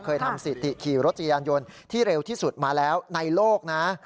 เคยทำสิติขี่รถจักรยานยนต์ที่เร็วที่สุดมาแล้วในโลกนะ